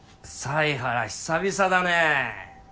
犀原久々だね。